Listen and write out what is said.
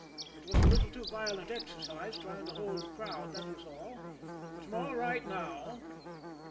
It was a little too violent exercise trying to hold the crowd, that was all. But I'm all right now."